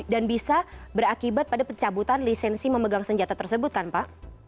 dan bisa berakibat pada pencabutan lisensi memegang senjata tersebut kan pak